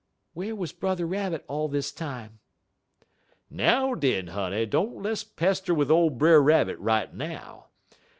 "Where was Brother Rabbit all this time?" "Now, den, honey, don't less pester wid ole Brer Rabbit right now.